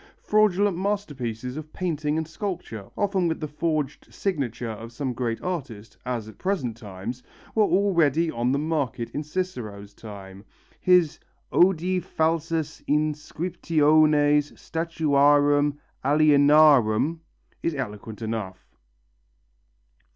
Fraudulent masterpieces of painting and sculpture, often with the forged signature of some great artist, as at present times, were already on the market in Cicero's time. His "Odi falsas inscriptiones statuarum alienarum" is eloquent enough.